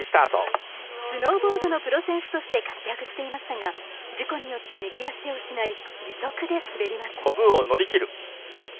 スノーボードのプロ選手として活躍していましたが事故によって右足を失い義足で滑ります。